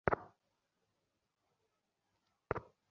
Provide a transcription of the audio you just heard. তিনি এটি মিরাটে স্থানান্তরিত করেন।